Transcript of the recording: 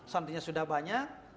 santrinya sudah banyak